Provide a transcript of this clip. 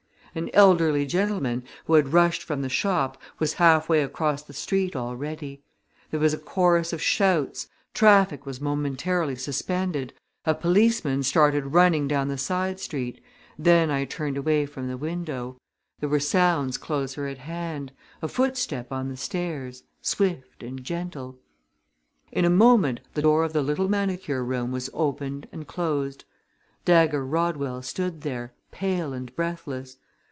An elderly gentleman, who had rushed from the shop, was halfway across the street already. There was a chorus of shouts; traffic was momentarily suspended; a policeman started running down the side street. Then I turned away from the window. There were sounds closer at hand a footstep on the stairs, swift and gentle. In a moment the door of the little manicure room was opened and closed. Dagger Rodwell stood there, pale and breathless.